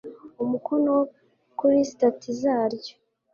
umukono kuri sitati zaryo